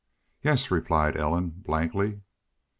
"Yes," replied Ellen, blankly.